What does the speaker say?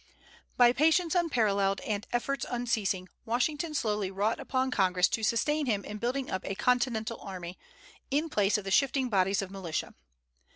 By patience unparalleled and efforts unceasing, Washington slowly wrought upon Congress to sustain him in building up a "Continental" army, in place of the shifting bodies of militia.